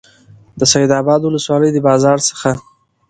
د سیدآباد د ولسوالۍ د بازار څخه